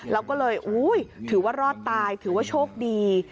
แล้วก็เลยถือว่ารอดตายถือว่าโชคดี